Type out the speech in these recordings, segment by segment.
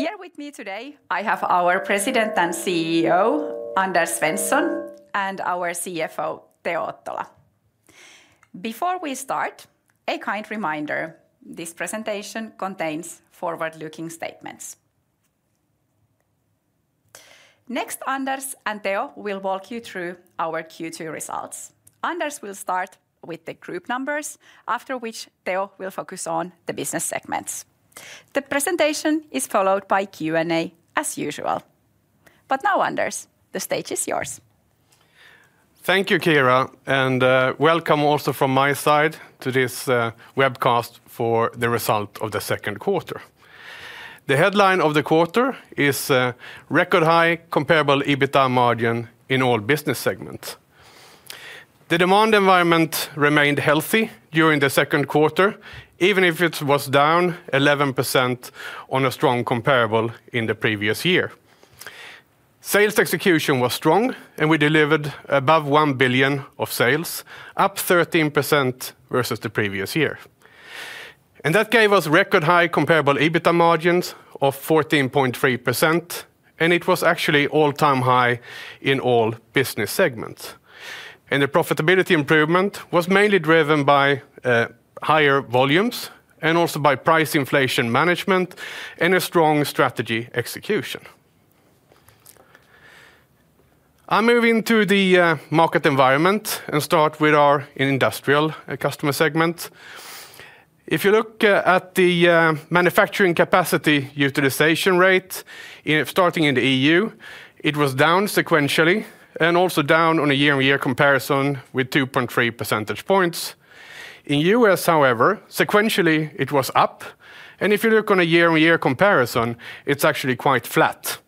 Here with me today, I have our President and CEO, Anders Svensson, and our CFO, Teo Ottola. Before we start, a kind reminder: this presentation contains forward-looking statements. Next, Anders and Teo will walk you through our Q2 results. Anders will start with the group numbers, after which Teo will focus on the business segments. The presentation is followed by Q&A, as usual. But now, Anders, the stage is yours. Thank you, Kiira, and welcome also from my side to this webcast for the result of the second quarter. The headline of the quarter is "Record High Comparable EBITDA Margin in All Business Segments." The demand environment remained healthy during the second quarter, even if it was down 11% on a strong comparable in the previous year. Sales execution was strong, and we delivered above 1 billion of sales, up 13% versus the previous year. And that gave us record high comparable EBITDA margins of 14.3%, and it was actually all-time high in all business segments. And the profitability improvement was mainly driven by higher volumes and also by price inflation management and a strong strategy execution. I'm moving to the market environment and start with our industrial customer segment. If you look at the manufacturing capacity utilization rate, starting in the EU, it was down sequentially and also down on a year-on-year comparison wth 2.3 percentage points. In the U.S., however, sequentially it was up, and if you look on a year-on-year comparison, it's actually quite flat.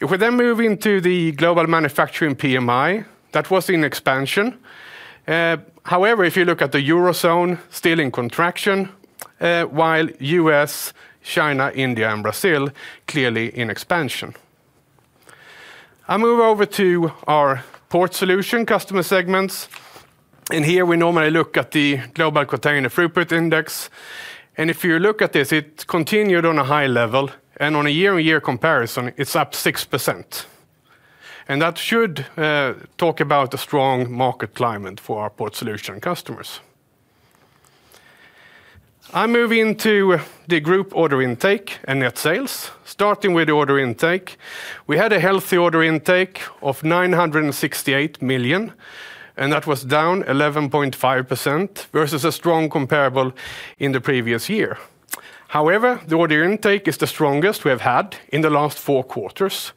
If we then move into the global manufacturing PMI, that was in expansion. However, if you look at the Eurozone, still in contraction, while U.S., China, India, and Brazil are clearly in expansion. I move over to our port solution customer segments, and here we normally look at the Global Container Throughput Index. And if you look at this, it continued on a high level, and on a year-on-year comparison, it's up 6%. And that should talk about a strong market climate for our port solution customers. I move into the group order intake and net sales. Starting with the order intake, we had a healthy order intake of 968 million, and that was down 11.5% versus a strong comparable in the previous year. However, the order intake is the strongest we have had in the last four quarters.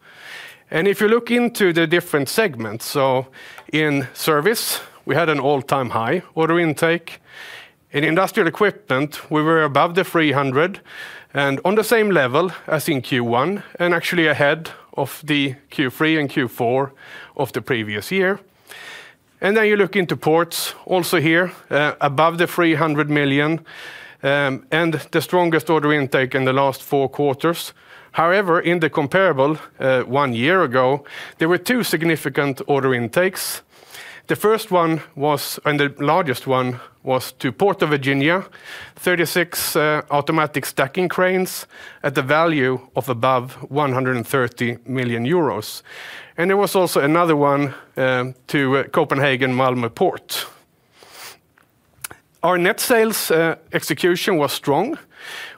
And if you look into the different segments, so in Service, we had an all-time high order intake. In Industrial Equipment, we were above the 300 and on the same level as in Q1, and actually ahead of the Q3 and Q4 of the previous year. And then you look into ports, also here, above the 300 million and the strongest order intake in the last four quarters. However, in the comparable one year ago, there were two significant order intakes. The first one was, and the largest one was to Port of Virginia, 36 automatic stacking cranes at the value of above 130 million euros. There was also another one to Copenhagen Malmö Port. Our net sales execution was strong.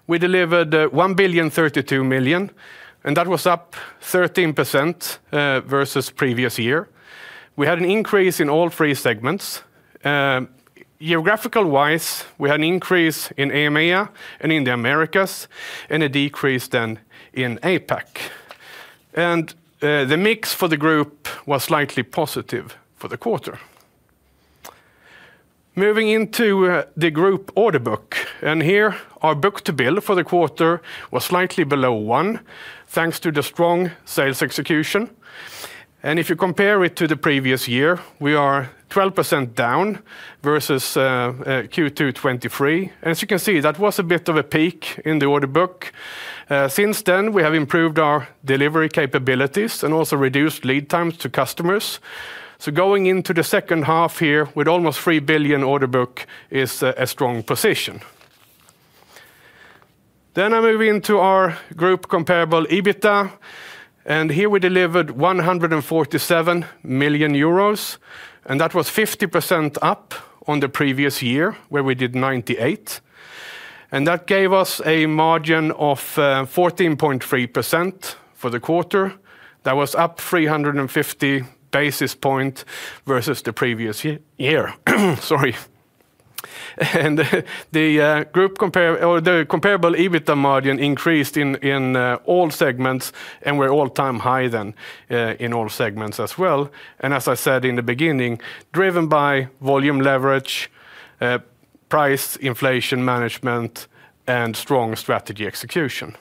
We delivered 1.032 billion, and that was up 13% versus the previous year. We had an increase in all three segments. Geographical-wise, we had an increase in EMEA and in the Americas, and a decrease then in APAC. The mix for the group was slightly positive for the quarter. Moving into the group order book, and here our book-to-bill for the quarter was slightly below one, thanks to the strong sales execution. If you compare it to the previous year, we are 12% down versus Q2 2023. As you can see, that was a bit of a peak in the order book. Since then, we have improved our delivery capabilities and also reduced lead times to customers. So going into the second half here with almost 3 billion order book is a strong position. Then I move into our group comparable EBITDA, and here we delivered 147 million euros, and that was 50% up on the previous year, where we did 98 million. And that gave us a margin of 14.3% for the quarter. That was up 350 basis points versus the previous year. Sorry. And the comparable EBITDA margin increased in all segments and were all-time high then in all segments as well. And as I said in the beginning, driven by volume leverage, price inflation management, and strong strategy execution.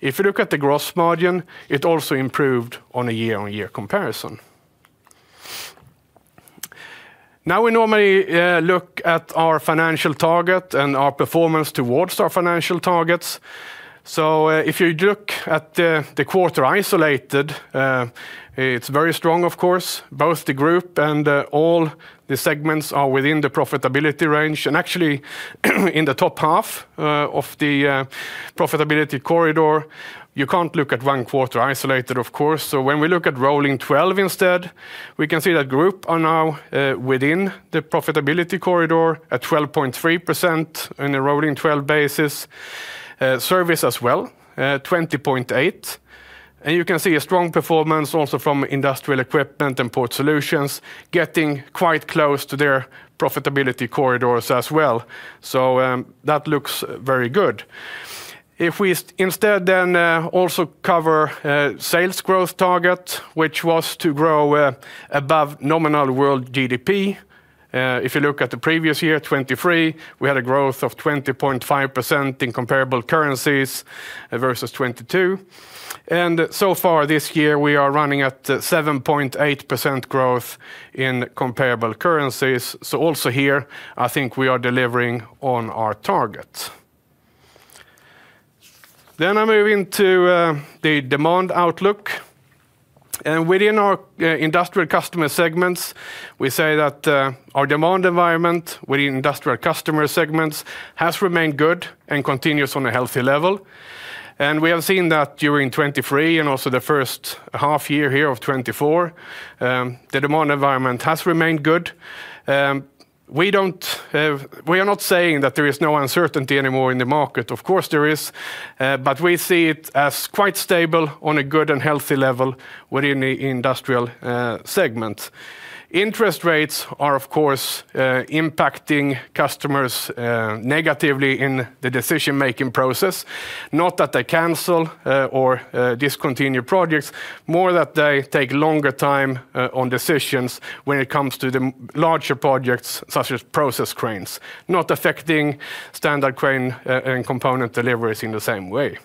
If you look at the gross margin, it also improved on a year-on-year comparison. Now we normally look at our financial target and our performance towards our financial targets. So if you look at the quarter isolated, it's very strong, of course. Both the group and all the segments are within the profitability range. Actually, in the top half of the profitability corridor, you can't look at one quarter isolated, of course. So when we look at rolling 12 instead, we can see that group are now within the profitability corridor at 12.3% on a rolling 12 basis. Service as well, 20.8%. And you can see a strong performance also from Industrial Equipment and Port Solutions, getting quite close to their profitability corridors as well. So that looks very good. If we instead then also cover sales growth target, which was to grow above nominal world GDP. If you look at the previous year, 2023, we had a growth of 20.5% in comparable currencies versus 2022. And so far this year, we are running at 7.8% growth in comparable currencies. So also here, I think we are delivering on our target. Then I move into the demand outlook. Within our industrial customer segments, we say that our demand environment within industrial customer segments has remained good and continues on a healthy level. We have seen that during 2023 and also the first half year here of 2024, the demand environment has remained good. We are not saying that there is no uncertainty anymore in the market. Of course, there is, but we see it as quite stable on a good and healthy level within the industrial segment. Interest rates are, of course, impacting customers negatively in the decision-making process. Not that they cancel or discontinue projects, more that they take longer time on decisions when it comes to the larger projects such as Process Cranes, not affecting Standard Cranes and component deliveries in the same way.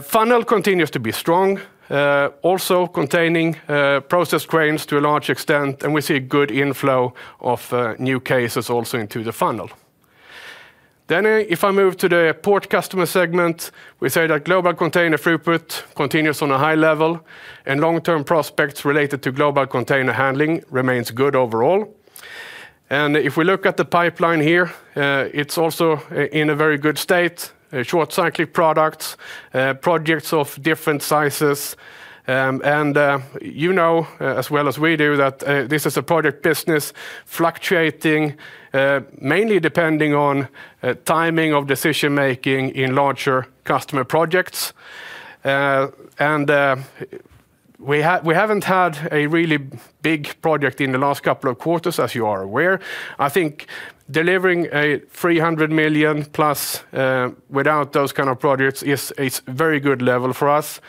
Funnel continues to be strong, also containing Process Cranes to a large extent, and we see good inflow of new cases also into the funnel. Then if I move to the port customer segment, we say that global container throughput continues on a high level, and long-term prospects related to global container handling remain good overall. And if we look at the pipeline here, it's also in a very good state, short-cyclic products, projects of different sizes. And you know as well as we do that this is a product business fluctuating, mainly depending on timing of decision-making in larger customer projects. And we haven't had a really big project in the last couple of quarters, as you are aware. I think delivering 300 million+ without those kind of projects is a very good level for us.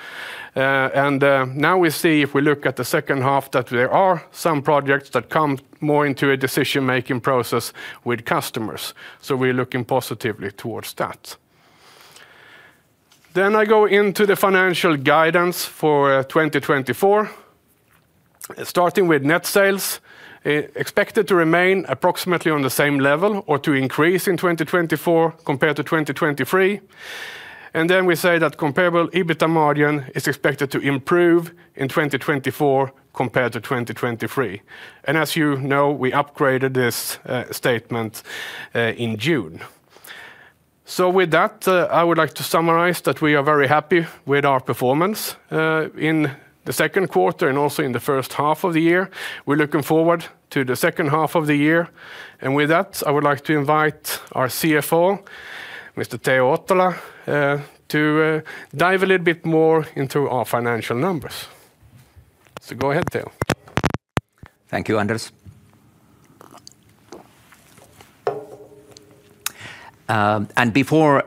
Now we see, if we look at the second half, that there are some projects that come more into a decision-making process with customers. So we're looking positively towards that. I go into the financial guidance for 2024, starting with net sales, expected to remain approximately on the same level or to increase in 2024 compared to 2023. Then we say that comparable EBITDA margin is expected to improve in 2024 compared to 2023. And as you know, we upgraded this statement in June. So with that, I would like to summarize that we are very happy with our performance in the second quarter and also in the first half of the year. We're looking forward to the second half of the year. And with that, I would like to invite our CFO, Mr. Teo Ottola, to dive a little bit more into our financial numbers. So go ahead, Teo. Thank you, Anders. Before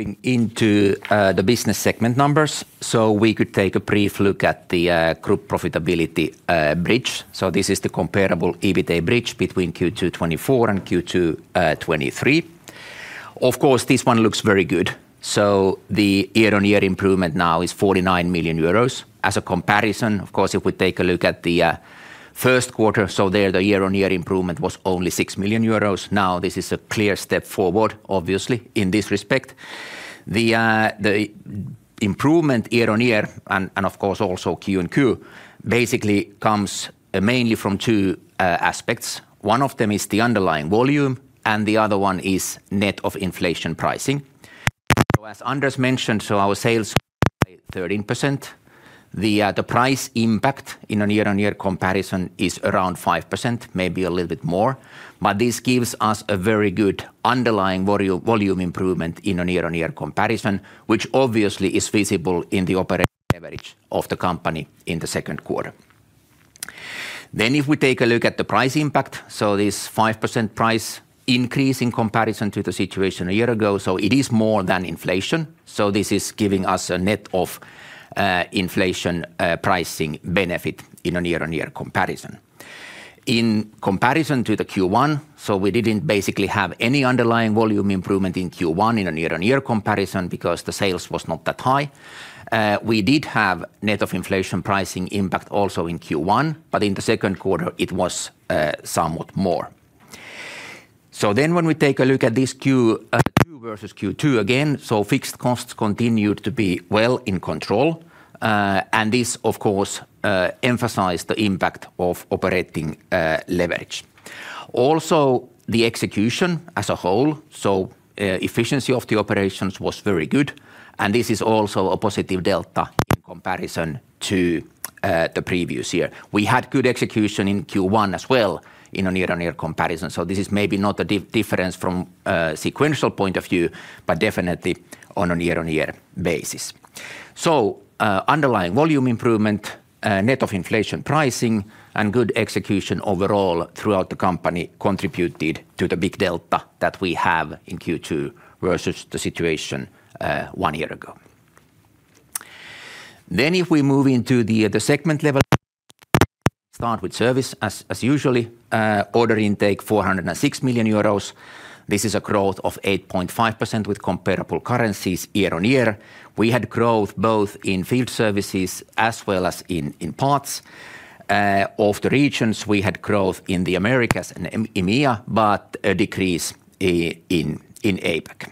actually going into the business segment numbers, so we could take a brief look at the group profitability bridge. So this is the comparable EBITDA bridge between Q2 2024 and Q2 2023. Of course, this one looks very good. So the year-on-year improvement now is 49 million euros. As a comparison, of course, if we take a look at the first quarter, so there the year-on-year improvement was only 6 million euros. Now this is a clear step forward, obviously, in this respect. The improvement year-on-year, and of course also Q&Q, basically comes mainly from two aspects. One of them is the underlying volume, and the other one is net of inflation pricing. So as Anders mentioned, so our sales by 13%. The price impact in a year-on-year comparison is around 5%, maybe a little bit more. But this gives us a very good underlying volume improvement in a year-on-year comparison, which obviously is visible in the operating average of the company in the second quarter. Then if we take a look at the price impact, so this 5% price increase in comparison to the situation a year ago, so it is more than inflation. So this is giving us a net of inflation pricing benefit in a year-on-year comparison. In comparison to the Q1, so we didn't basically have any underlying volume improvement in Q1 in a year-on-year comparison because the sales was not that high. We did have net of inflation pricing impact also in Q1, but in the second quarter it was somewhat more. So then when we take a look at this Q2 versus Q2 again, so fixed costs continued to be well in control. This, of course, emphasized the impact of operating leverage. The execution as a whole, so efficiency of the operations was very good. This is also a positive delta in comparison to the previous year. We had good execution in Q1 as well in a year-on-year comparison. This is maybe not a difference from a sequential point of view, but definitely on a year-on-year basis. Underlying volume improvement, net of inflation pricing, and good execution overall throughout the company contributed to the big delta that we have in Q2 versus the situation one year ago. If we move into the segment level, start with Service as usual. Order intake 406 million euros. This is a growth of 8.5% with comparable currencies year-on-year. We had growth both in field services as well as in parts of the regions. We had growth in the Americas and EMEA, but a decrease in APAC.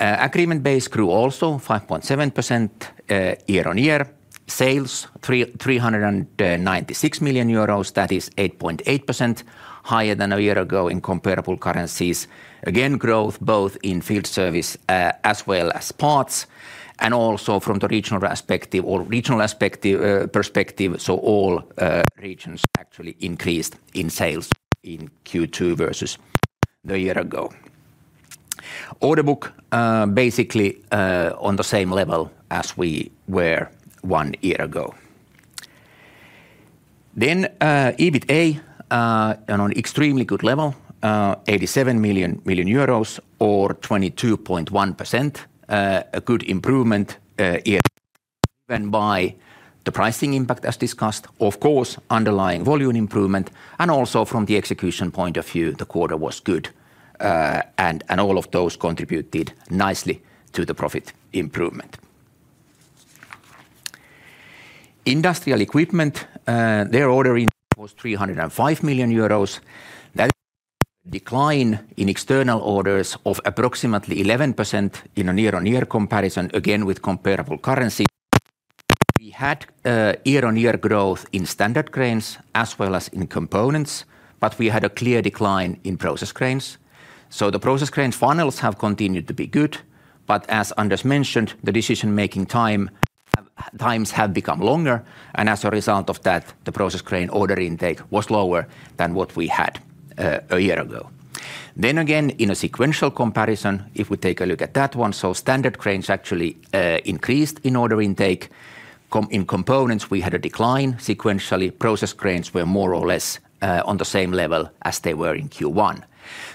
Agreement based grew also 5.7% year-on-year. Sales 396 million euros, that is 8.8% higher than a year ago in comparable currencies. Again, growth both in field service as well as parts. And also from the regional perspective, so all regions actually increased in sales in Q2 versus the year ago. Order book basically on the same level as we were one year ago. Then EBITDA on an extremely good level, 87 million or 22.1%, a good improvement driven by the pricing impact as discussed. Of course, underlying volume improvement and also from the execution point of view, the quarter was good. And all of those contributed nicely to the profit improvement. Industrial equipment, their order intake was 305 million euros. That is a decline in external orders of approximately 11% in a year-on-year comparison, again with comparable currency. We had year-on-year growth in Standard Cranes as well as in components, but we had a clear decline in Process Cranes. So the Process Cranes funnels have continued to be good, but as Anders mentioned, the decision-making times have become longer. As a result of that, the Process Cranes order intake was lower than what we had a year ago. Then again, in a sequential comparison, if we take a look at that one, so Standard Cranes actually increased in order intake. In components, we had a decline sequentially. Process cranes were more or less on the same level as they were in Q1.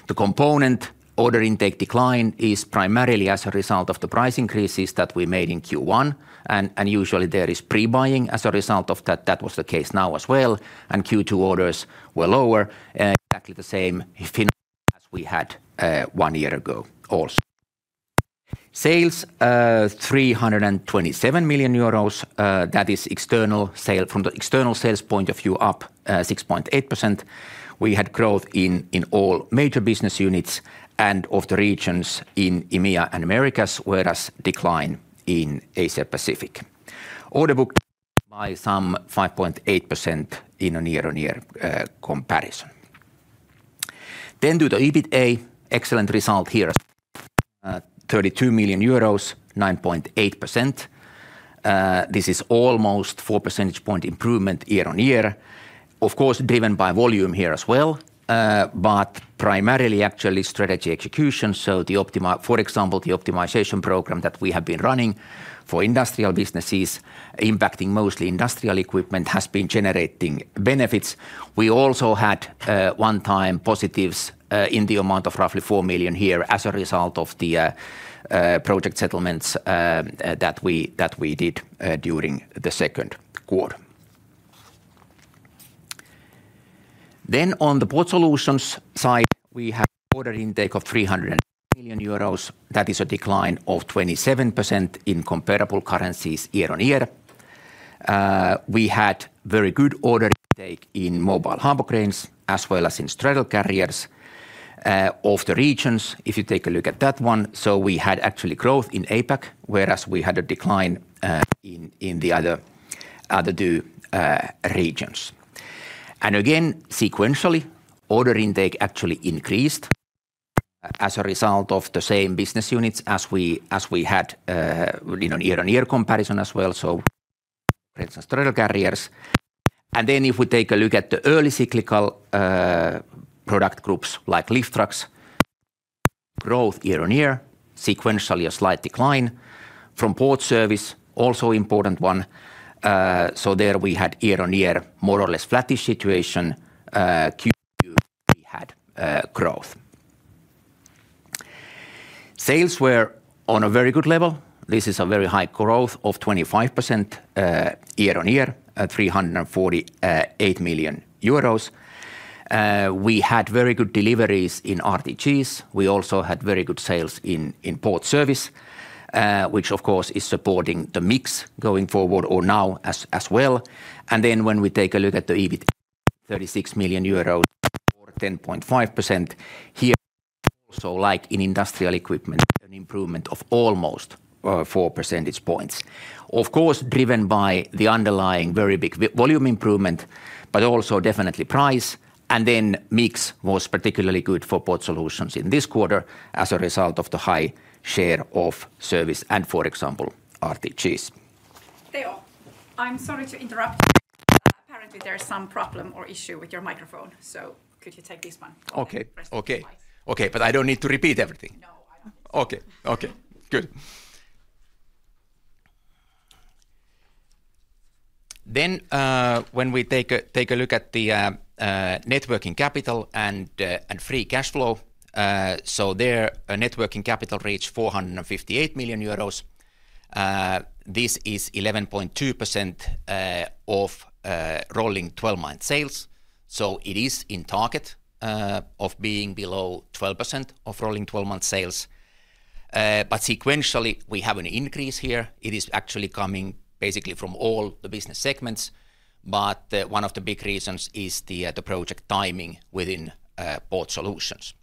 The component order intake decline is primarily as a result of the price increases that we made in Q1. Usually there is pre-buying as a result of that. That was the case now as well. Q2 orders were lower, exactly the same as we had one year ago also. Sales, 327 million euros. That is external sales from the external sales point of view up 6.8%. We had growth in all major business units and of the regions in EMEA and Americas, whereas decline in Asia-Pacific. Order book by some 5.8% in a year-on-year comparison. To the EBITDA, excellent result here as 32 million euros, 9.8%. This is almost four percentage points improvement year-on-year. Of course, driven by volume here as well, but primarily actually strategy execution. So for example, the optimization program that we have been running for industrial businesses, impacting mostly Industrial Equipment, has been generating benefits. We also had one-time positives in the amount of roughly 4 million here as a result of the project settlements that we did during the second quarter. Then on the Port Solutions side, we have order intake of 308 million euros. That is a decline of 27% in comparable currencies year-on-year. We had very good order intake in mobile harbor cranes as well as in straddle carriers of the regions. If you take a look at that one, so we had actually growth in APAC, whereas we had a decline in the other two regions. And again, sequentially, order intake actually increased as a result of the same business units as we had in a year-on-year comparison as well. So for instance, straddle carriers. And then if we take a look at the early cyclical product groups like lift trucks, growth year-on-year, sequentially a slight decline. From port service, also important one. So there we had year-on-year more or less flattish situation. Q2 we had growth. Sales were on a very good level. This is a very high growth of 25% year-on-year, 348 million euros. We had very good deliveries in RTGs. We also had very good sales in port service, which of course is supporting the mix going forward or now as well. And then when we take a look at the EBITDA, 36 million euros, or 10.5% here, also like in Industrial Equipment, an improvement of almost 4 percentage points. Of course, driven by the underlying very big volume improvement, but also definitely price. And then mix was particularly good for Port Solutions in this quarter as a result of the high share of Service and for example, RTGs. Teo, I'm sorry to interrupt. Apparently there's some problem or issue with your microphone. So could you take this one? Okay, okay, but I don't need to repeat everything. No, I don't. Okay, okay, good. Then when we take a look at the net working capital and free cash flow, so the net working capital reached 458 million euros. This is 11.2% of rolling 12-month sales. So it is in target of being below 12% of rolling 12-month sales. But sequentially we have an increase here. It is actually coming basically from all the business segments. But one of the big reasons is the project timing within Port Solutions.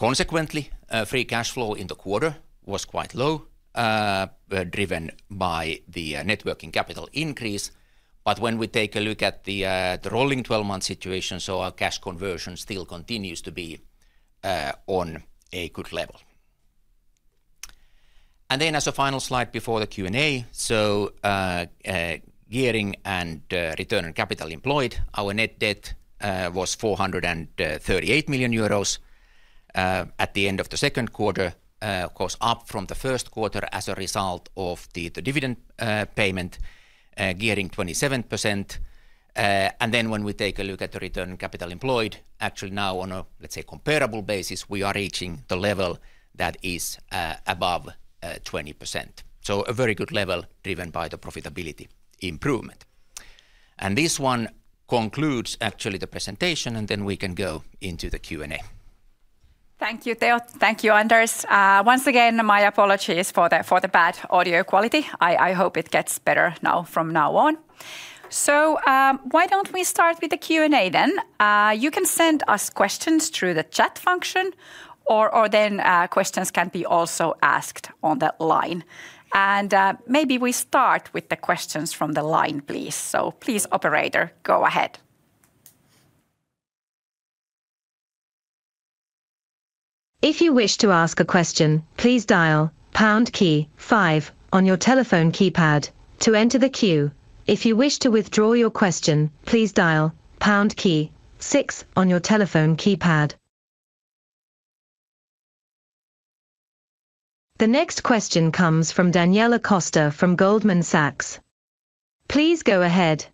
Consequently, free cash flow in the quarter was quite low, driven by the net working capital increase. But when we take a look at the rolling 12-month situation, so our cash conversion still continues to be on a good level. As a final slide before the Q&A, so gearing and return on capital employed, our net debt was 438 million euros at the end of the second quarter, of course up from the first quarter as a result of the dividend payment, gearing 27%. And then when we take a look at the return on capital employed, actually now on a, let's say, comparable basis, we are reaching the level that is above 20%. So a very good level driven by the profitability improvement. And this one concludes actually the presentation and then we can go into the Q&A. Thank you, Teo. Thank you, Anders. Once again, my apologies for the bad audio quality. I hope it gets better now from now on. So why don't we start with the Q&A then? You can send us questions through the chat function or then questions can be also asked on the line. And maybe we start with the questions from the line, please. So please, operator, go ahead. If you wish to ask a question, please dial pound key five on your telephone keypad to enter the queue. If you wish to withdraw your question, please dial pound key six on your telephone keypad. The next question comes from Daniela Costa from Goldman Sachs. Please go ahead.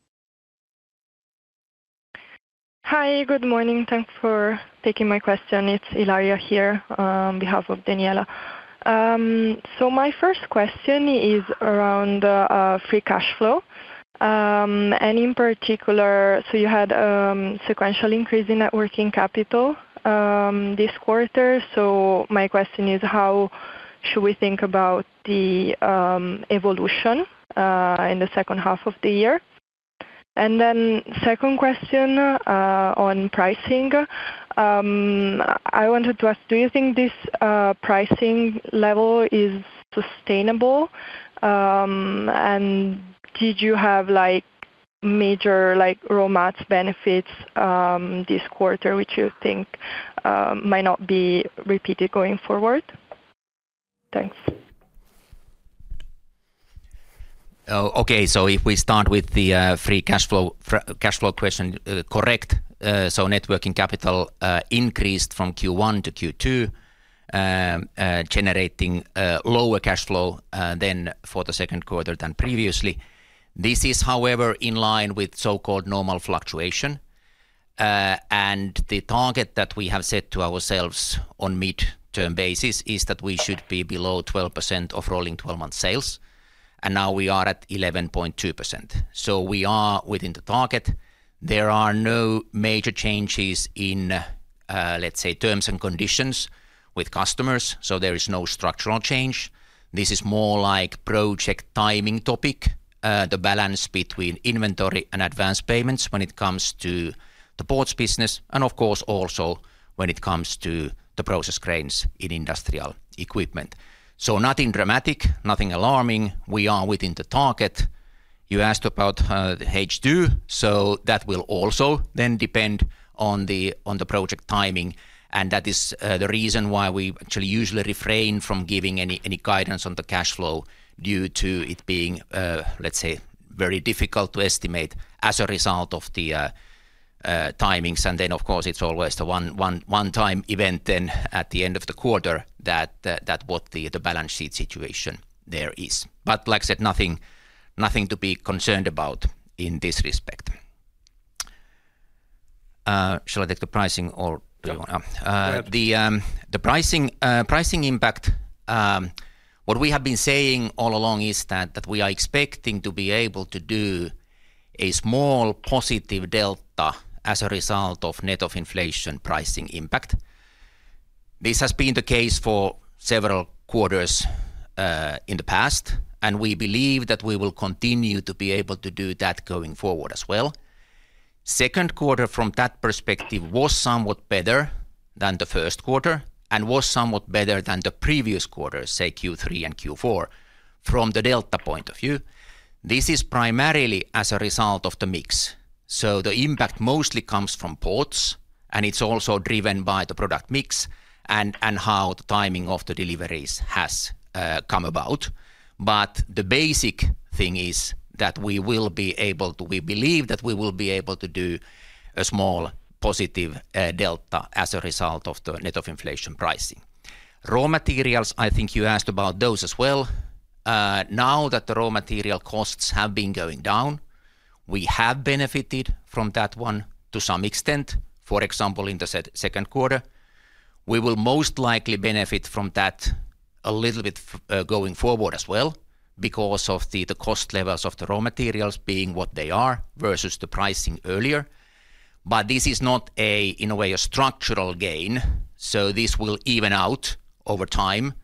Hi, good morning. Thanks for taking my question. It's Ilaria here on behalf of Daniela. My first question is around free cash flow. And in particular, you had a sequential increase in net working capital this quarter. My question is, how should we think about the evolution in the second half of the year? And then second question on pricing, I wanted to ask, do you think this pricing level is sustainable? And did you have major margin benefits this quarter, which you think might not be repeated going forward? Thanks. Okay, so if we start with the free cash flow question, correct, so net working capital increased from Q1 to Q2, generating lower cash flow than for the second quarter than previously. This is, however, in line with so-called normal fluctuation. And the target that we have set to ourselves on mid-term basis is that we should be below 12% of rolling 12-month sales. And now we are at 11.2%. So we are within the target. There are no major changes in, let's say, terms and conditions with customers. So there is no structural change. This is more like project timing topic, the balance between inventory and advance payments when it comes to the ports business. And of course, also when it comes to the Process Cranes in Industrial Equipment. So nothing dramatic, nothing alarming. We are within the target. You asked about H2, so that will also then depend on the project timing. And that is the reason why we actually usually refrain from giving any guidance on the cash flow due to it being, let's say, very difficult to estimate as a result of the timings. And then, of course, it's always the one-time event then at the end of the quarter that what the balance sheet situation there is. But like I said, nothing to be concerned about in this respect. Shall I take the pricing or do you want to? The pricing impact, what we have been saying all along is that we are expecting to be able to do a small positive delta as a result of net of inflation pricing impact. This has been the case for several quarters in the past, and we believe that we will continue to be able to do that going forward as well. Second quarter from that perspective was somewhat better than the first quarter and was somewhat better than the previous quarters, say Q3 and Q4, from the delta point of view. This is primarily as a result of the mix. So the impact mostly comes from ports, and it's also driven by the product mix and how the timing of the deliveries has come about. But the basic thing is that we will be able to, we believe that we will be able to do a small positive delta as a result of the net of inflation pricing. Raw materials, I think you asked about those as well. Now that the raw material costs have been going down, we have benefited from that one to some extent. For example, in the second quarter, we will most likely benefit from that a little bit going forward as well because of the cost levels of the raw materials being what they are versus the pricing earlier. But this is not a, in a way, a structural gain. So this will even out over time.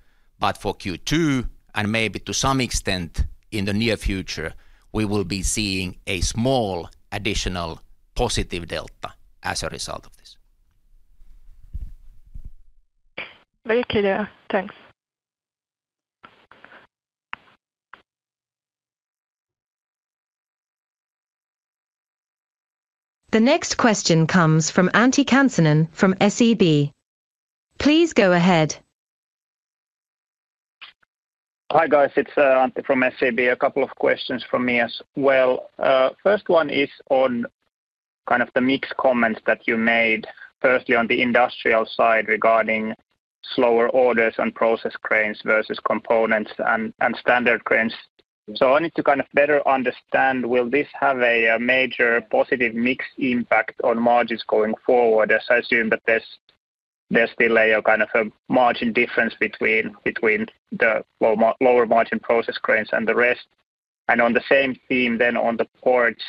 But for Q2 and maybe to some extent in the near future, we will be seeing a small additional positive delta as a result of this. Very clear. Thanks. The next question comes from Antti Kansanen from SEB. Please go ahead. Hi guys, it's Antti from SEB. A couple of questions for me as well. First one is on kind of the mixed comments that you made, firstly on the industrial side regarding slower orders and Process Cranes versus components and Standard Cranes. So I need to kind of better understand, will this have a major positive mixed impact on margins going forward? As I assume that there's still a kind of a margin difference between the lower margin Process Cranes and the rest. And on the same theme then on the ports,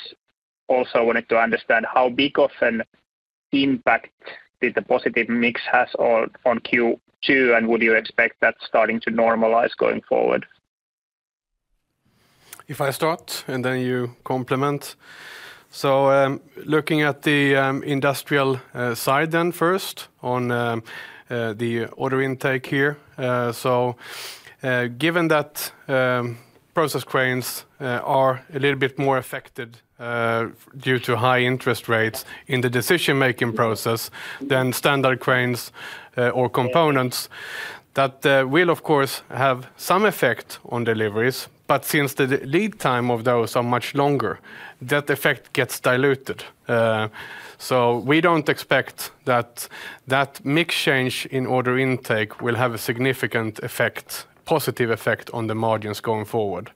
also wanted to understand how big of an impact did the positive mix have on Q2, and would you expect that starting to normalize going forward? If I start and then you complement. So looking at the industrial side then first on the order intake here. So given that Process Cranes are a little bit more affected due to high interest rates in the decision-making process than Standard Cranes or components, that will of course have some effect on deliveries. But since the lead time of those are much longer, that effect gets diluted. So we don't expect that that mixed change in order intake will have a significant effect, positive effect on the margins going forward.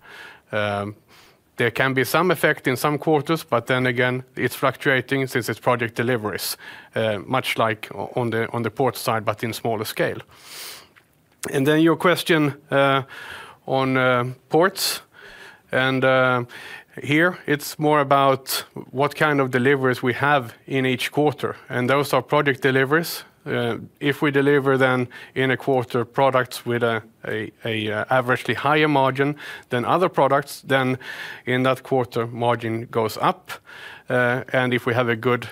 There can be some effect in some quarters, but then again, it's fluctuating since it's project deliveries, much like on the port side, but in smaller scale. And then your question on ports. And here it's more about what kind of deliveries we have in each quarter. And those are project deliveries. If we deliver then in a quarter products with an averagely higher margin than other products, then in that quarter margin goes up. If we have a good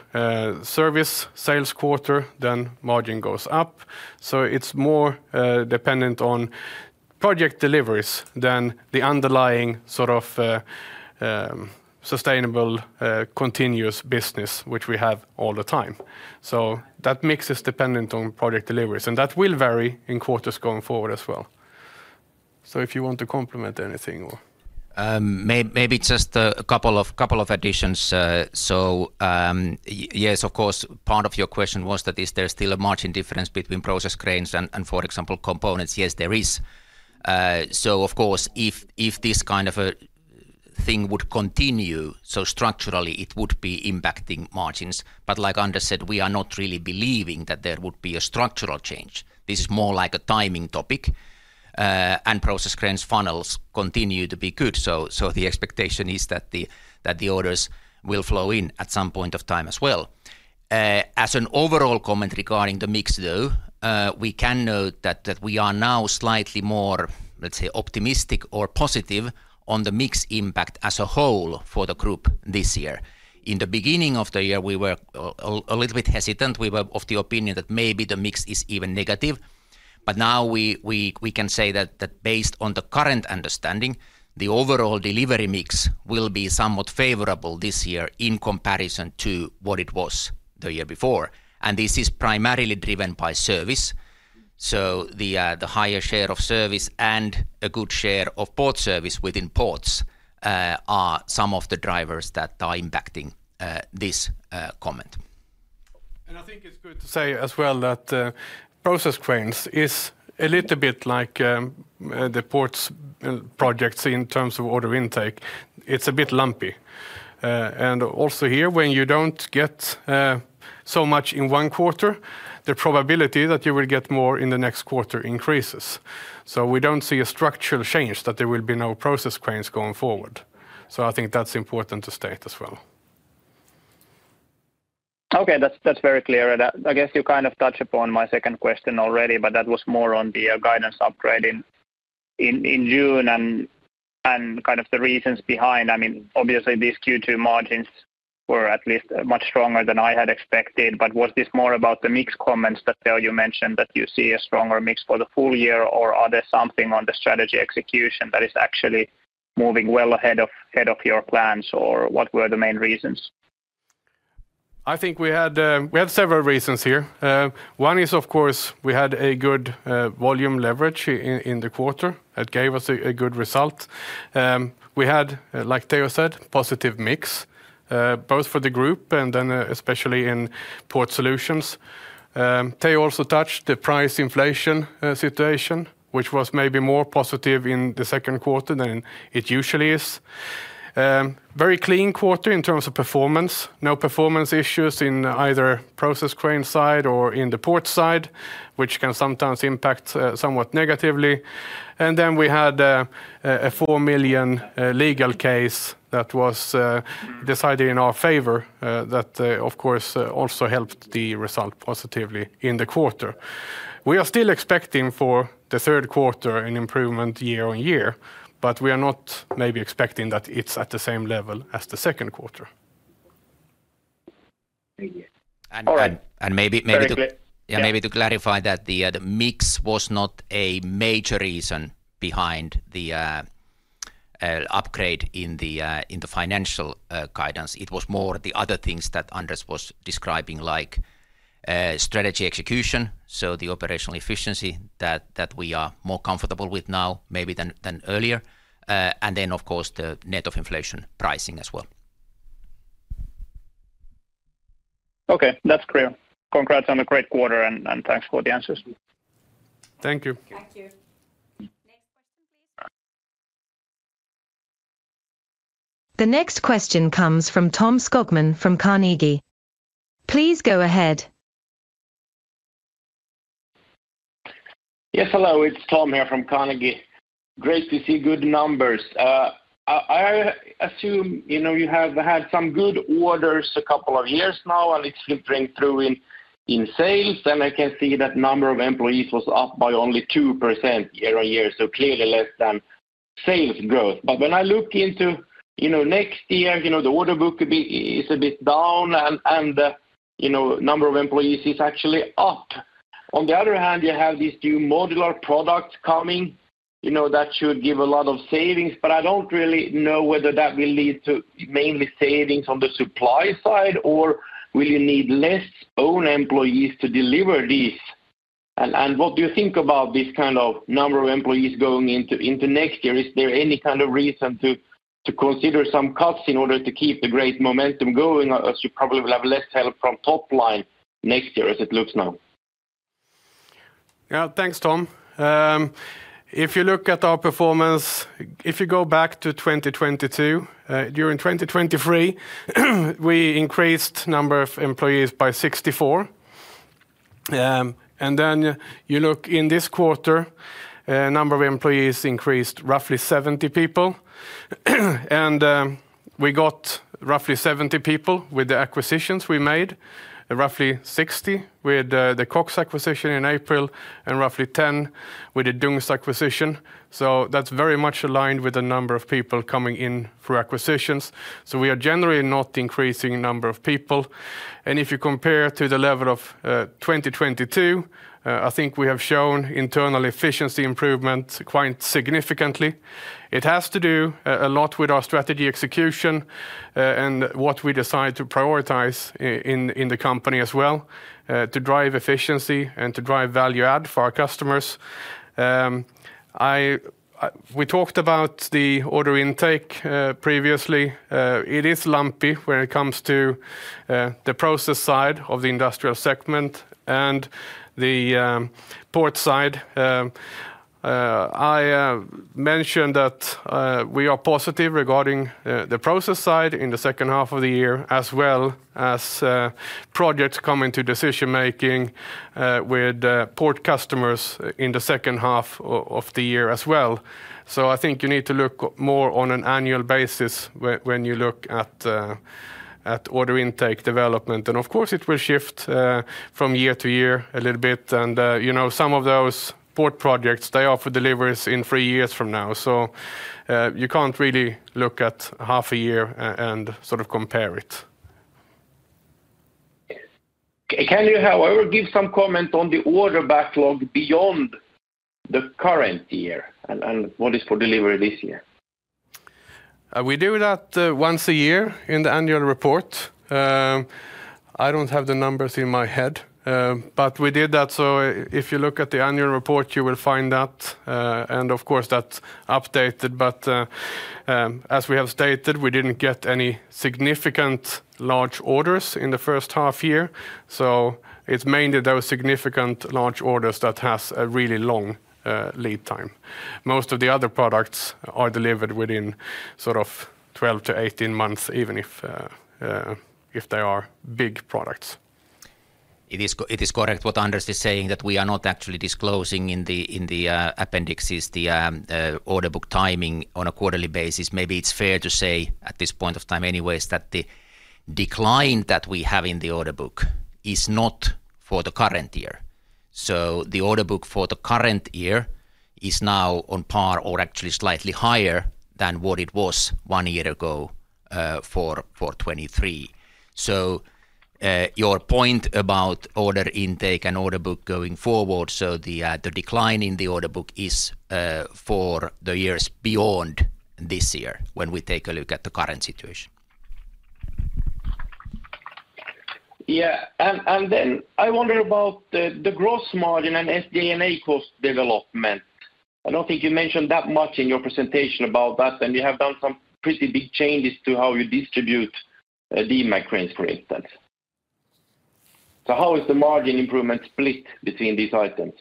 Service sales quarter, then margin goes up. So it's more dependent on project deliveries than the underlying sort of sustainable continuous business, which we have all the time. So that mix is dependent on project deliveries. And that will vary in quarters going forward as well. So if you want to complement anything or. Maybe just a couple of additions. So yes, of course, part of your question was that is there still a margin difference between Process Cranes and, for example, components? Yes, there is. So of course, if this kind of a thing would continue, so structurally it would be impacting margins. But like Anders said, we are not really believing that there would be a structural change. This is more like a timing topic. And Process Cranes funnels continue to be good. So the expectation is that the orders will flow in at some point of time as well. As an overall comment regarding the mix though, we can note that we are now slightly more, let's say, optimistic or positive on the mixed impact as a whole for the group this year. In the beginning of the year, we were a little bit hesitant. We were of the opinion that maybe the mix is even negative. But now we can say that based on the current understanding, the overall delivery mix will be somewhat favorable this year in comparison to what it was the year before. And this is primarily driven by Service. So the higher share of Service and a good share of port Service within ports are some of the drivers that are impacting this comment. I think it's good to say as well that Process Cranes is a little bit like the ports projects in terms of order intake. It's a bit lumpy. Also here, when you don't get so much in one quarter, the probability that you will get more in the next quarter increases. We don't see a structural change that there will be no Process Cranes going forward. I think that's important to state as well. Okay, that's very clear. And I guess you kind of touched upon my second question already, but that was more on the guidance upgrade in June and kind of the reasons behind. I mean, obviously these Q2 margins were at least much stronger than I had expected. But was this more about the mixed comments that you mentioned that you see a stronger mix for the full year or are there something on the strategy execution that is actually moving well ahead of your plans or what were the main reasons? I think we had several reasons here. One is, of course, we had a good volume leverage in the quarter that gave us a good result. We had, like Teo said, positive mix both for the group and then especially in Port Solutions. Teo also touched the price inflation situation, which was maybe more positive in the second quarter than it usually is. Very clean quarter in terms of performance. No performance issues in either Process Cranes side or in the port side, which can sometimes impact somewhat negatively. And then we had a 4 million legal case that was decided in our favor that, of course, also helped the result positively in the quarter. We are still expecting for the third quarter an improvement year-on-year, but we are not maybe expecting that it's at the same level as the second quarter. Maybe to clarify that the mix was not a major reason behind the upgrade in the financial guidance. It was more the other things that Anders was describing, like strategy execution. So the operational efficiency that we are more comfortable with now maybe than earlier. Then, of course, the net of inflation pricing as well. Okay, that's clear. Congrats on a great quarter and thanks for the answers. Thank you. Thank you. Next question, please. The next question comes from Tom Skogman from Carnegie. Please go ahead. Yes, hello, it's Tom here from Carnegie. Great to see good numbers. I assume you have had some good orders a couple of years now, and it's filtering through in sales. I can see that number of employees was up by only 2% year-over-year, so clearly less than sales growth. But when I look into next year, the order book is a bit down, and the number of employees is actually up. On the other hand, you have these new modular products coming that should give a lot of savings, but I don't really know whether that will lead to mainly savings on the supply side, or will you need less own employees to deliver these? And what do you think about this kind of number of employees going into next year? Is there any kind of reason to consider some cuts in order to keep the great momentum going, as you probably will have less help from top line next year as it looks now? Yeah, thanks, Tom. If you look at our performance, if you go back to 2022, during 2023, we increased the number of employees by 64. And then you look in this quarter, the number of employees increased roughly 70 people. And we got roughly 70 people with the acquisitions we made, roughly 60 with the Kocks acquisition in April, and roughly 10 with the Dungs acquisition. So that's very much aligned with the number of people coming in through acquisitions. So we are generally not increasing the number of people. And if you compare to the level of 2022, I think we have shown internal efficiency improvement quite significantly. It has to do a lot with our strategy execution and what we decide to prioritize in the company as well to drive efficiency and to drive value add for our customers. We talked about the order intake previously. It is lumpy when it comes to the process side of the industrial segment and the port side. I mentioned that we are positive regarding the process side in the second half of the year, as well as projects coming to decision-making with port customers in the second half of the year as well. So I think you need to look more on an annual basis when you look at order intake development. And of course, it will shift from year to year a little bit. And some of those port projects, they offer deliveries in three years from now. So you can't really look at half a year and sort of compare it. Can you, however, give some comment on the order backlog beyond the current year and what is for delivery this year? We do that once a year in the annual report. I don't have the numbers in my head, but we did that. So if you look at the annual report, you will find that. And of course, that's updated. But as we have stated, we didn't get any significant large orders in the first half year. So it's mainly those significant large orders that have a really long lead time. Most of the other products are delivered within sort of 12-18 months, even if they are big products. It is correct what Anders is saying that we are not actually disclosing in the appendixes the order book timing on a quarterly basis. Maybe it's fair to say at this point of time anyways that the decline that we have in the order book is not for the current year. So the order book for the current year is now on par or actually slightly higher than what it was one year ago for 2023. So your point about order intake and order book going forward, so the decline in the order book is for the years beyond this year when we take a look at the current situation. Yeah. Then I wonder about the gross margin and SG&A cost development. I don't think you mentioned that much in your presentation about that, and you have done some pretty big changes to how you distribute Demag cranes, for instance. So how is the margin improvement split between these items?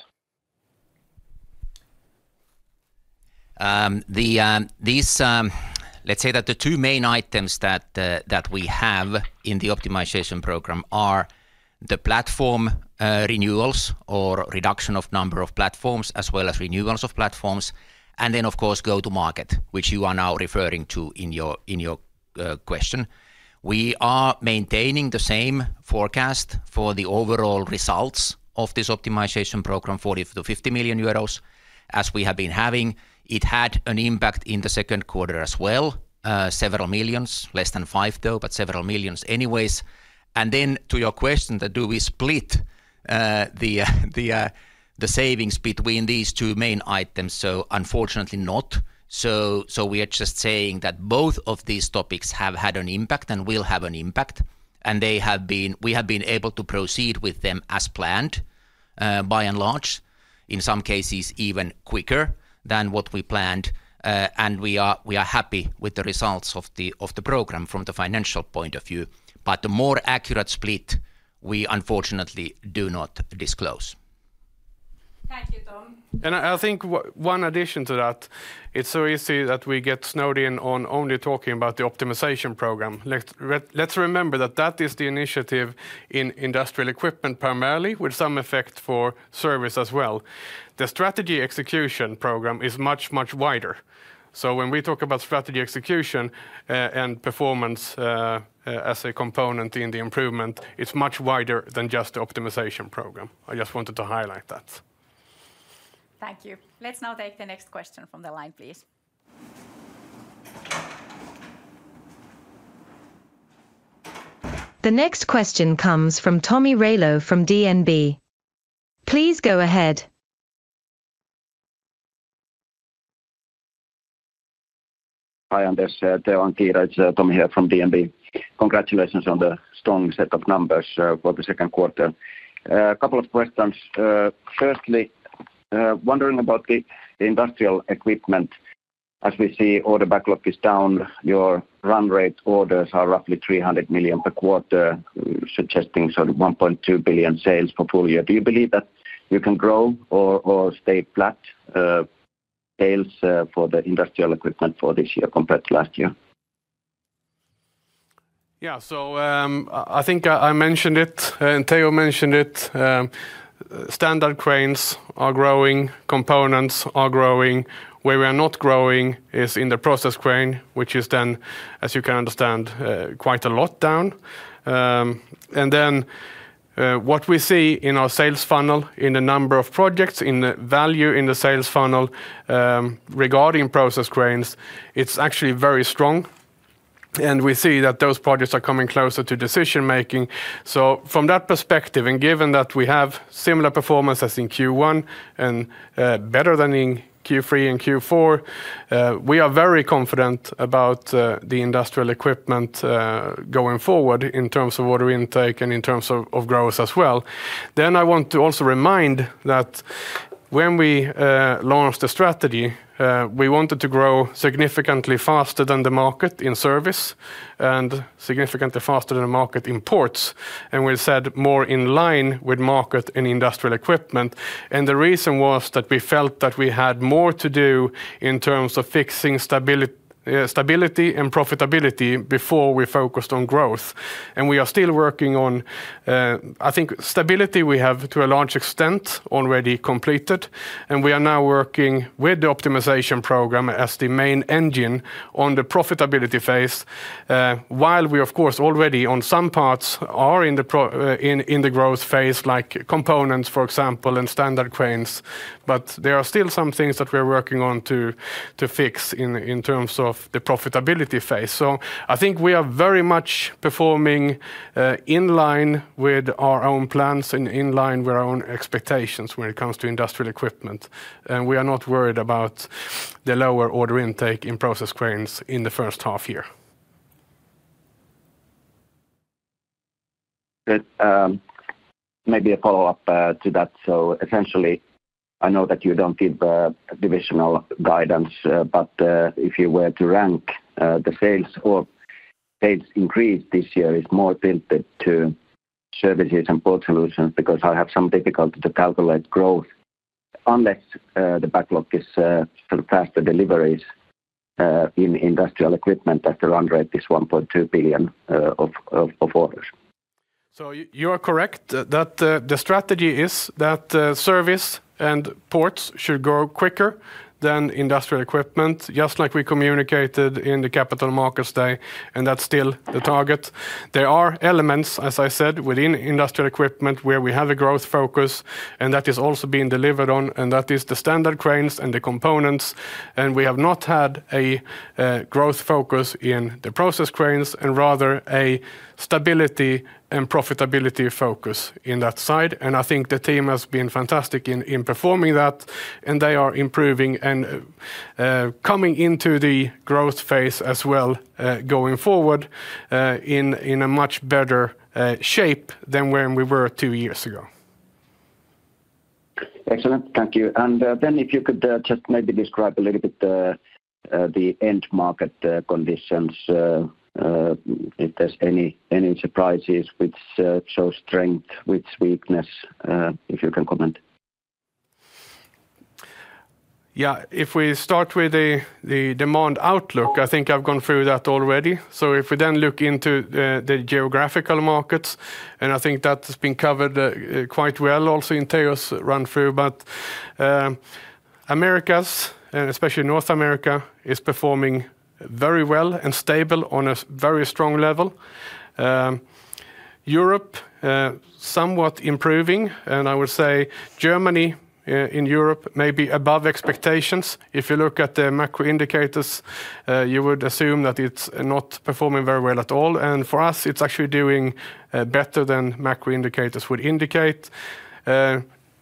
Let's say that the two main items that we have in the optimization program are the platform renewals or reduction of number of platforms, as well as renewals of platforms. Then, of course, go to market, which you are now referring to in your question. We are maintaining the same forecast for the overall results of this optimization program, 40 million-50 million euros, as we have been having. It had an impact in the second quarter as well, several million EUR, less than five though, but several million EUR anyways. Then to your question, do we split the savings between these two main items? So unfortunately not. So we are just saying that both of these topics have had an impact and will have an impact. We have been able to proceed with them as planned, by and large, in some cases even quicker than what we planned. We are happy with the results of the program from the financial point of view. But the more accurate split, we unfortunately do not disclose. Thank you, Tom. I think one addition to that, it's so easy that we get snowed in on only talking about the optimization program. Let's remember that that is the initiative in Industrial Equipment primarily, with some effect for Service as well. The strategy execution program is much, much wider. So when we talk about strategy execution and performance as a component in the improvement, it's much wider than just the optimization program. I just wanted to highlight that. Thank you. Let's now take the next question from the line, please. The next question comes from Tomi Railo from DNB. Please go ahead. Hi, Anders, Teo, and Kiira. It's Tomi here from DNB. Congratulations on the strong set of numbers for the second quarter. A couple of questions. Firstly, wondering about the Industrial Equipment. As we see, order backlog is down. Your run rate orders are roughly 300 million per quarter, suggesting sort of 1.2 billion sales for full year. Do you believe that you can grow or stay flat sales for the Industrial Equipment for this year compared to last year? Yeah, so I think I mentioned it and Teo mentioned it. Standard Cranes are growing, components are growing. Where we are not growing is in the Process Cranes, which is then, as you can understand, quite a lot down. And then what we see in our sales funnel, in the number of projects, in the value in the sales funnel regarding Process Cranes, it's actually very strong. And we see that those projects are coming closer to decision-making. So, from that perspective, and given that we have similar performance as in Q1 and better than in Q3 and Q4, we are very confident about the Industrial Equipment going forward in terms of order intake and in terms of growth as well. Then I want to also remind that when we launched the strategy, we wanted to grow significantly faster than the market in Service and significantly faster than the market in ports. We said more in line with market and Industrial Equipment. The reason was that we felt that we had more to do in terms of fixing stability and profitability before we focused on growth. We are still working on, I think, stability we have to a large extent already completed. We are now working with the optimization program as the main engine on the profitability phase, while we, of course, already on some parts are in the growth phase, like components, for example, and Standard Cranes. There are still some things that we are working on to fix in terms of the profitability phase. So I think we are very much performing in line with our own plans and in line with our own expectations when it comes to Industrial Equipment. And we are not worried about the lower order intake in Process Cranes in the first half year. Maybe a follow-up to that. So essentially, I know that you don't give divisional guidance, but if you were to rank the sales or paid increase this year, it's more tilted to Services and Port Solutions because I have some difficulty to calculate growth unless the backlog is sort of faster deliveries in Industrial Equipment as the run rate is 1.2 billion of orders. So you are correct that the strategy is that Service and ports should grow quicker than Industrial Equipment, just like we communicated in the Capital Markets Day, and that's still the target. There are elements, as I said, within Industrial Equipment where we have a growth focus, and that is also being delivered on, and that is the Standard Cranes and the components. And we have not had a growth focus in the Process Cranes, and rather a stability and profitability focus in that side. And I think the team has been fantastic in performing that, and they are improving and coming into the growth phase as well going forward in a much better shape than when we were two years ago. Excellent. Thank you. And then if you could just maybe describe a little bit the end market conditions, if there's any surprises with show strength, with weakness, if you can comment. Yeah, if we start with the demand outlook, I think I've gone through that already. So if we then look into the geographical markets, and I think that's been covered quite well also in Teo's run-through, but Americas, and especially North America, is performing very well and stable on a very strong level. Europe, somewhat improving, and I would say Germany in Europe may be above expectations. If you look at the macro indicators, you would assume that it's not performing very well at all. And for us, it's actually doing better than macro indicators would indicate.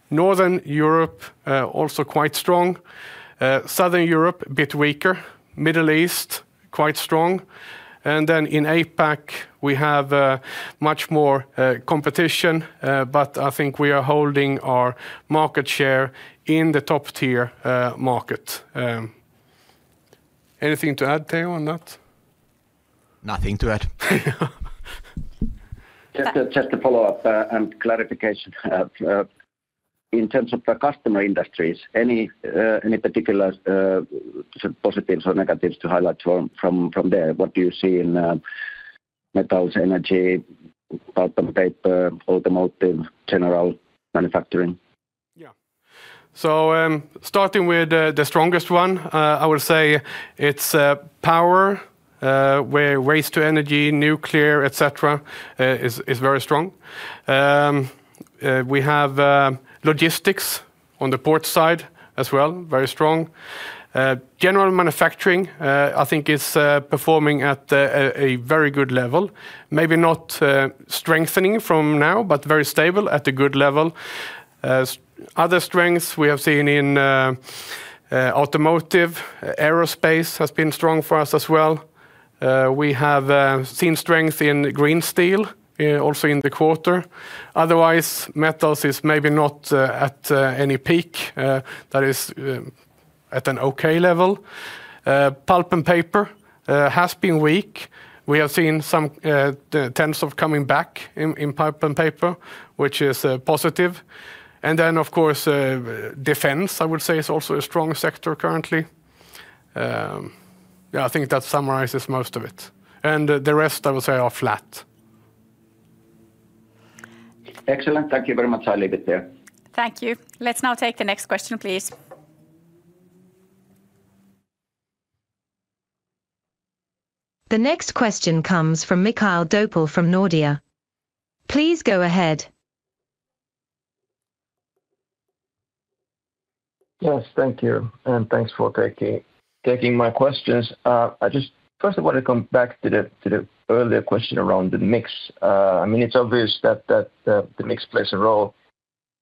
Northern Europe also quite strong. Southern Europe a bit weaker. Middle East quite strong. And then in APAC, we have much more competition, but I think we are holding our market share in the top-tier market. Anything to add, Teo, on that? Nothing to add. Just a follow-up and clarification. In terms of the customer industries, any particular positives or negatives to highlight from there? What do you see in metals, energy, cotton paper, automotive, general manufacturing? Yeah. So starting with the strongest one, I will say it's power, waste to energy, nuclear, etc., is very strong. We have logistics on the port side as well, very strong. General manufacturing, I think, is performing at a very good level. Maybe not strengthening from now, but very stable at a good level. Other strengths we have seen in automotive, aerospace has been strong for us as well. We have seen strength in green steel also in the quarter. Otherwise, metals is maybe not at any peak. That is at an okay level. Pulp and paper has been weak. We have seen some tensors coming back in pulp and paper, which is positive. And then, of course, defense, I would say, is also a strong sector currently. Yeah, I think that summarizes most of it. And the rest, I would say, are flat. Excellent. Thank you very much, Operator. Thank you. Let's now take the next question, please. The next question comes from Mikael Doepel from Nordea. Please go ahead. Yes, thank you. Thanks for taking my questions. I just first want to come back to the earlier question around the mix. I mean, it's obvious that the mix plays a role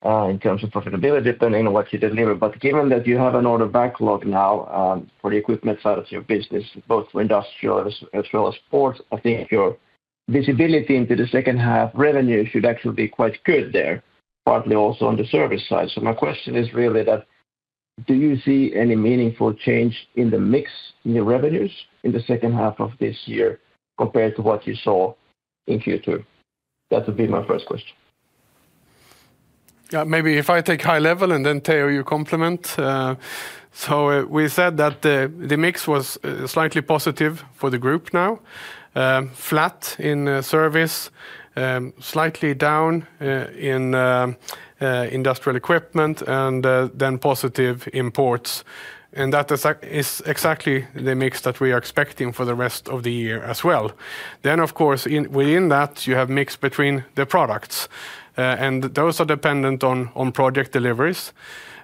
in terms of profitability depending on what you deliver. But given that you have an order backlog now for the equipment side of your business, both for industrial as well as ports, I think your visibility into the second half revenue should actually be quite good there, partly also on the Service side. So my question is really that, do you see any meaningful change in the mix in your revenues in the second half of this year compared to what you saw in Q2? That would be my first question. Yeah, maybe if I take high level and then Teo, you complement. So we said that the mix was slightly positive for the group now, flat in Service, slightly down in Industrial Equipment, and then positive in ports. And that is exactly the mix that we are expecting for the rest of the year as well. Then, of course, within that, you have mix between the products, and those are dependent on project deliveries.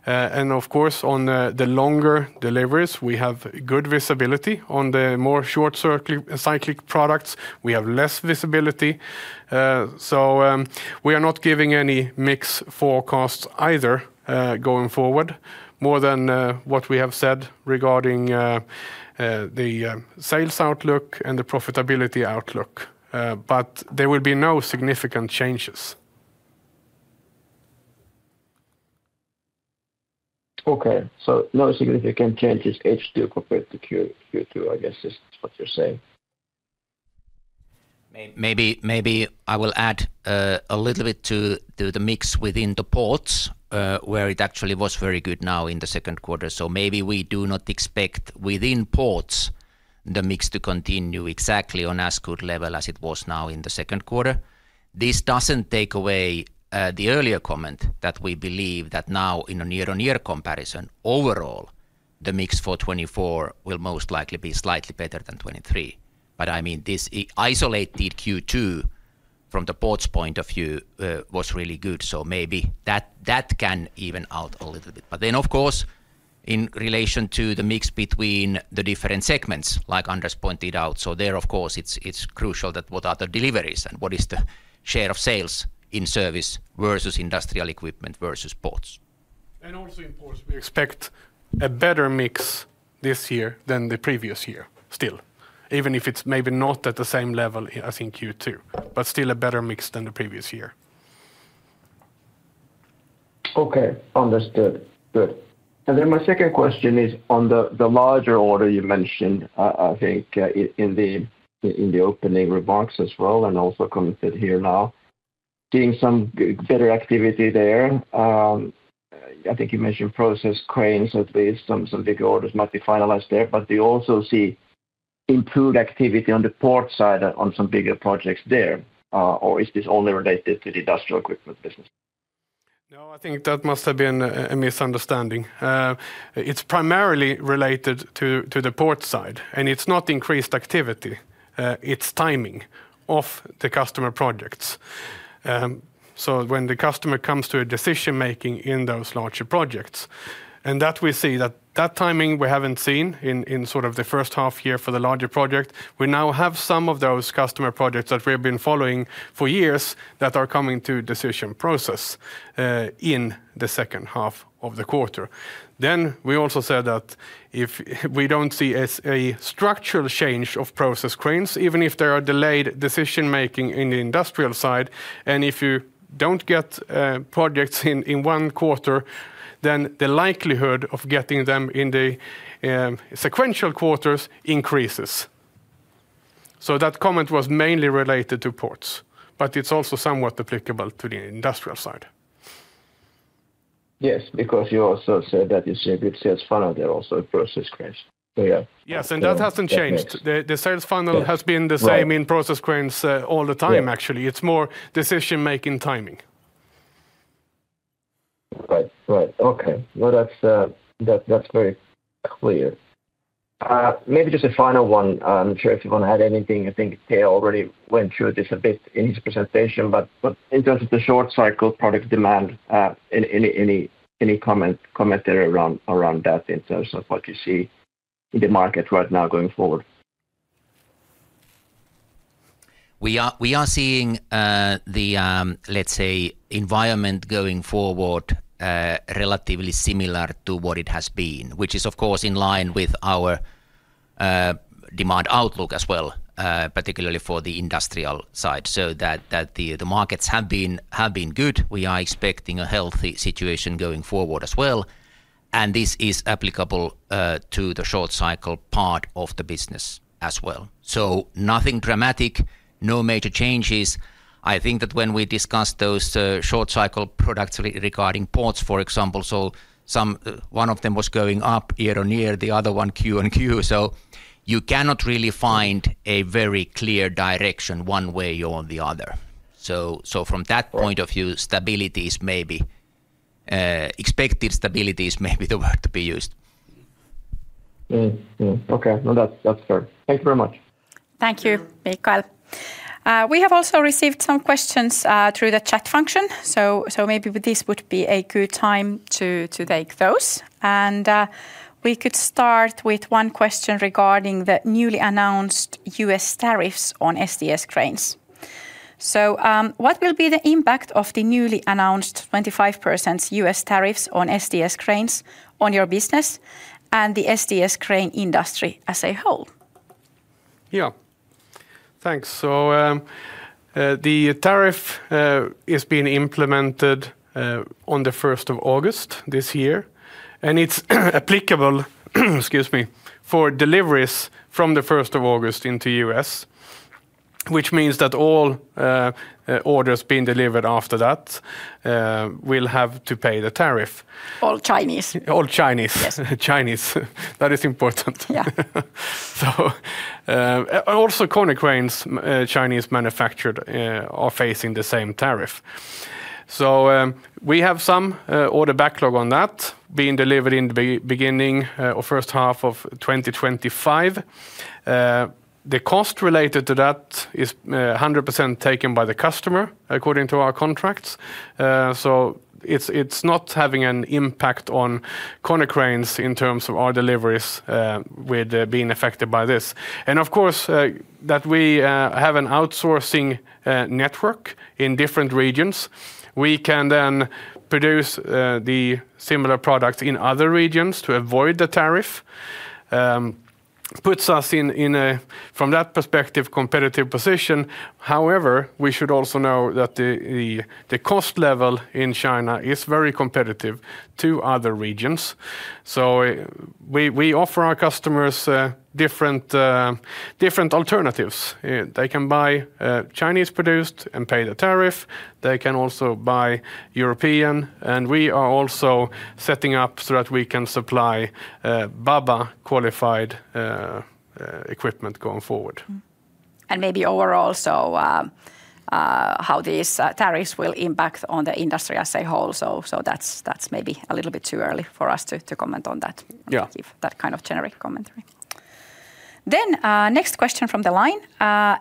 And of course, on the longer deliveries, we have good visibility. On the more short-cycle products, we have less visibility. So we are not giving any mix forecasts either going forward, more than what we have said regarding the sales outlook and the profitability outlook. But there will be no significant changes. Okay, so no significant changes H2 compared to Q2, I guess is what you're saying. Maybe I will add a little bit to the mix within the ports, where it actually was very good now in the second quarter. So maybe we do not expect within ports the mix to continue exactly on as good level as it was now in the second quarter. This doesn't take away the earlier comment that we believe that now in a near-on-year comparison, overall, the mix for 2024 will most likely be slightly better than 2023. But I mean, this isolated Q2 from the ports point of view was really good. So maybe that can even out a little bit. But then, of course, in relation to the mix between the different segments, like Anders pointed out, so there, of course, it's crucial that what are the deliveries and what is the share of sales in Service versus Industrial Equipment versus ports. And also in ports, we expect a better mix this year than the previous year still, even if it's maybe not at the same level as in Q2, but still a better mix than the previous year. Okay, understood. Good. And then my second question is on the larger order you mentioned, I think in the opening remarks as well, and also commented here now, seeing some better activity there. I think you mentioned Process Cranes at least, some big orders might be finalized there, but do you also see improved activity on the port side on some bigger projects there, or is this only related to the Industrial Equipment business? No, I think that must have been a misunderstanding. It's primarily related to the port side, and it's not increased activity. It's timing of the customer projects. So when the customer comes to a decision-making in those larger projects, and that we see that that timing we haven't seen in sort of the first half year for the larger project, we now have some of those customer projects that we have been following for years that are coming to decision process in the second half of the quarter. Then we also said that if we don't see a structural change of Process Cranes, even if there are delayed decision-making in the industrial side, and if you don't get projects in one quarter, then the likelihood of getting them in the sequential quarters increases. So that comment was mainly related to ports, but it's also somewhat applicable to the industrial side. Yes, because you also said that you see a good sales funnel there also in Process Cranes. Yes, and that hasn't changed. The sales funnel has been the same in Process Cranes all the time, actually. It's more decision-making timing. Right, right. Okay. Well, that's very clear. Maybe just a final one. I'm sure if you want to add anything. I think Teo already went through this a bit in his presentation, but in terms of the short-cycle product demand, any commentary around that in terms of what you see in the market right now going forward? We are seeing the, let's say, environment going forward relatively similar to what it has been, which is, of course, in line with our demand outlook as well, particularly for the industrial side. So that the markets have been good. We are expecting a healthy situation going forward as well. And this is applicable to the short-cycle part of the business as well. So nothing dramatic, no major changes. I think that when we discussed those short-cycle products regarding ports, for example, so one of them was going up year-over-year, the other one Q-over-Q. So you cannot really find a very clear direction one way or the other. So from that point of view, stability is maybe expected. Stability is maybe the word to be used. Okay, that's fair. Thank you very much. Thank you, Mikael. We have also received some questions through the chat function. Maybe this would be a good time to take those. We could start with one question regarding the newly announced U.S. tariffs on STS cranes. What will be the impact of the newly announced 25% U.S. tariffs on STS cranes on your business and the STS crane industry as a whole? Yeah, thanks. So the tariff is being implemented on the 1st of August this year, and it's applicable, excuse me, for deliveries from the 1st of August into the U.S., which means that all orders being delivered after that will have to pay the tariff. All Chinese. All Chinese. Yes. Chinese. That is important. Yeah. So also Konecranes, Chinese manufactured, are facing the same tariff. So we have some order backlog on that being delivered in the beginning or first half of 2025. The cost related to that is 100% taken by the customer according to our contracts. So it's not having an impact on Konecranes in terms of our deliveries with being affected by this. And of course, that we have an outsourcing network in different regions. We can then produce the similar products in other regions to avoid the tariff. It puts us in, from that perspective, a competitive position. However, we should also know that the cost level in China is very competitive to other regions. So we offer our customers different alternatives. They can buy Chinese-produced and pay the tariff. They can also buy European. We are also setting up so that we can supply BABA-qualified equipment going forward. Maybe overall, so how these tariffs will impact on the industry as a whole. So that's maybe a little bit too early for us to comment on that, that kind of generic commentary. Then next question from the line.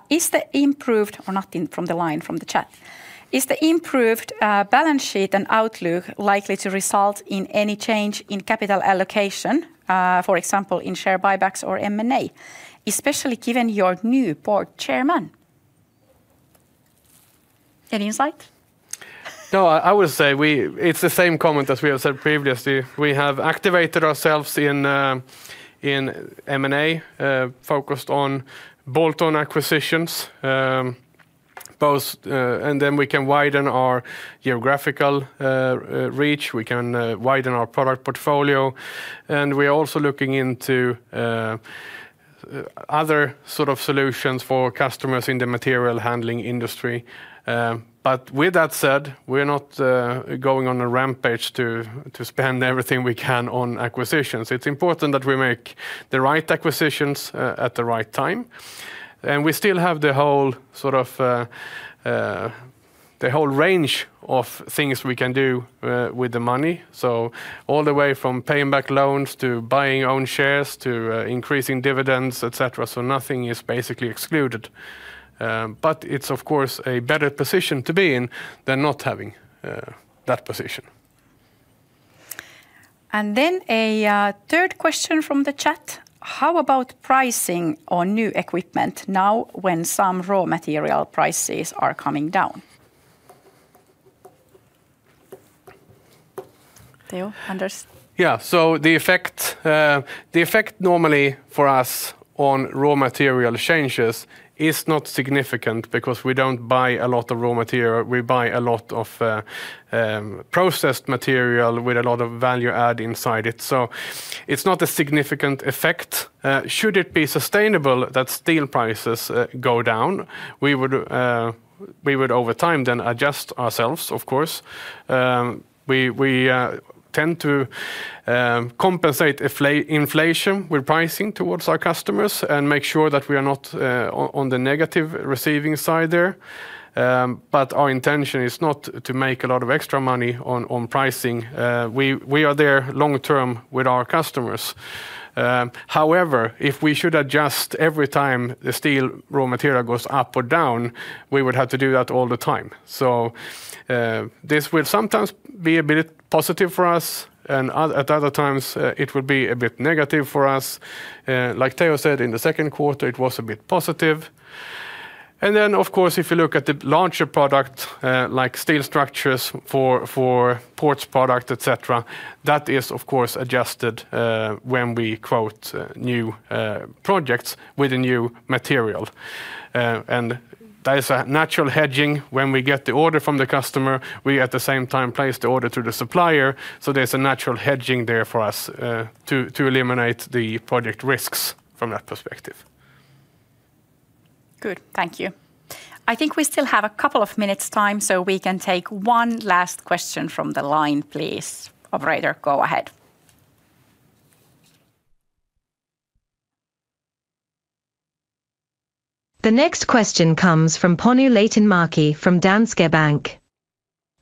Is the improved balance sheet and outlook likely to result in any change in capital allocation, for example, in share buybacks or M&A, especially given your new Board Chairman? Any insight? No, I would say it's the same comment as we have said previously. We have activated ourselves in M&A, focused on bolt-on acquisitions, both, and then we can widen our geographical reach. We can widen our product portfolio. And we are also looking into other sort of solutions for customers in the material handling industry. But with that said, we're not going on a rampage to spend everything we can on acquisitions. It's important that we make the right acquisitions at the right time. And we still have the whole sort of the whole range of things we can do with the money. So all the way from paying back loans to buying own shares to increasing dividends, etc. So nothing is basically excluded. But it's, of course, a better position to be in than not having that position. Then a third question from the chat. How about pricing on new equipment now when some raw material prices are coming down? Teo, Anders? Yeah, so the effect normally for us on raw material changes is not significant because we don't buy a lot of raw material. We buy a lot of processed material with a lot of value add inside it. So it's not a significant effect. Should it be sustainable that steel prices go down, we would over time then adjust ourselves, of course. We tend to compensate inflation with pricing towards our customers and make sure that we are not on the negative receiving side there. But our intention is not to make a lot of extra money on pricing. We are there long-term with our customers. However, if we should adjust every time the steel raw material goes up or down, we would have to do that all the time. This will sometimes be a bit positive for us, and at other times it will be a bit negative for us. Like Teo said, in the second quarter, it was a bit positive. Then, of course, if you look at the larger products like steel structures for ports products, etc., that is, of course, adjusted when we quote new projects with a new material. That is a natural hedging when we get the order from the customer. We, at the same time, place the order through the supplier. There's a natural hedging there for us to eliminate the project risks from that perspective. Good. Thank you. I think we still have a couple of minutes' time, so we can take one last question from the line, please. Operator, go ahead. The next question comes from Panu Laitinmäki from Danske Bank.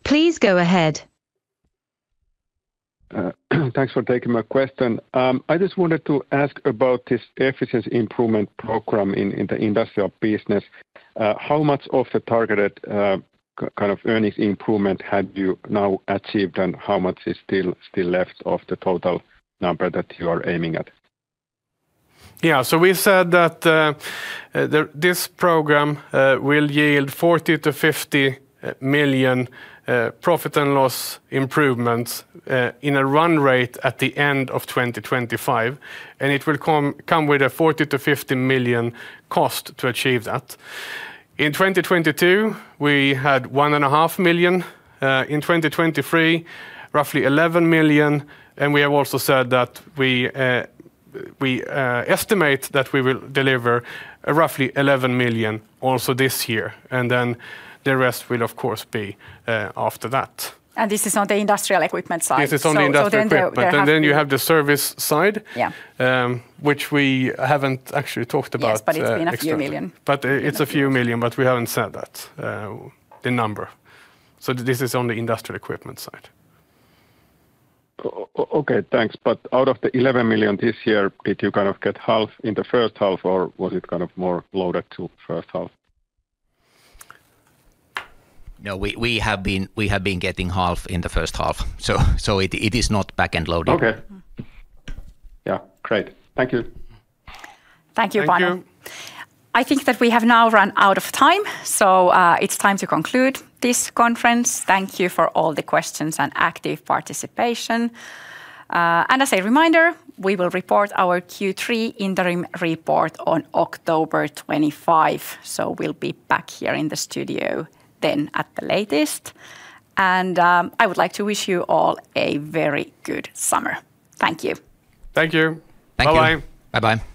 Please go ahead. Thanks for taking my question. I just wanted to ask about this efficiency improvement program in the industrial business. How much of the targeted kind of earnings improvement have you now achieved, and how much is still left of the total number that you are aiming at? Yeah, so we said that this program will yield 40-50 million profit and loss improvements in a run rate at the end of 2025. It will come with a 40-50 million cost to achieve that. In 2022, we had 1.5 million. In 2023, roughly 11 million. We have also said that we estimate that we will deliver roughly 11 million also this year. Then the rest will, of course, be after that. This is on the Industrial Equipment side. This is on the industrial side. Then you have the Service side, which we haven't actually talked about. Yes, but it's been a few million. But it's a few million EUR, but we haven't said that, the number. So this is on the Industrial Equipment side. Okay, thanks. But out of the 11 million this year, did you kind of get half in the first half, or was it kind of more loaded to first half? No, we have been getting half in the first half. So it is not back-end loading. Okay. Yeah, great. Thank you. Thank you, Panu. I think that we have now run out of time, so it's time to conclude this conference. Thank you for all the questions and active participation. And as a reminder, we will report our Q3 interim report on October 25. So we'll be back here in the studio then at the latest. And I would like to wish you all a very good summer. Thank you. Thank you. Thank you. Bye-bye. Bye-bye.